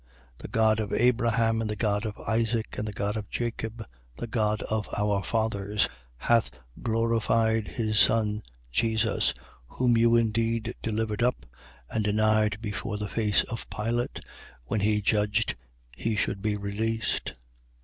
3:13. The God of Abraham and the God of Isaac and the God of Jacob, the God of our fathers, hath glorified his Son Jesus, whom you indeed delivered up and denied before the face of Pilate, when he judged he should be released.